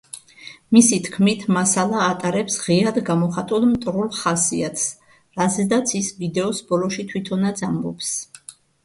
მისი თქმით, „მასალა ატარებს ღიად გამოხატულ მტრულ ხასიათს, რაზეც ის ვიდეოს ბოლოში თვითონაც ამბობს“.